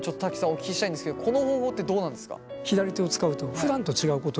お聞きしたいんですけどこの方法ってどうなんですか？